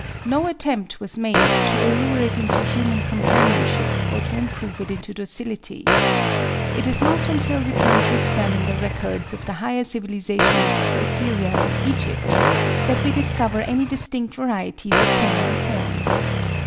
No attempt was made to allure it into human companionship or to improve it into docility. It is not until we come to examine the records of the higher civilisations of Assyria and Egypt that we discover any distinct varieties of canine form.